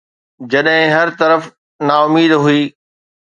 جڏهن هر طرف نا اميد هئي.